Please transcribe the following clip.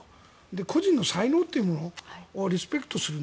個人の才能というものをリスペクトする。